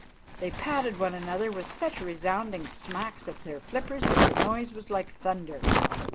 They patted one another with such resounding smacks of their flippers that the noise was like thunder.